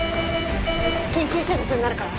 緊急手術になるから。